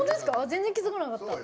全然気付かなかった。